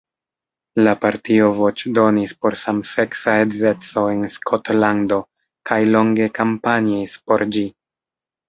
La partio voĉdonis por samseksa edzeco en Skotlando kaj longe kampanjis por ĝi.